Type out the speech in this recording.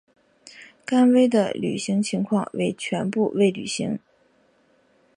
甘薇的履行情况为全部未履行。